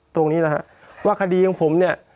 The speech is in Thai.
ตรงนี้นะฮะว่าคดีของผมเนี่ย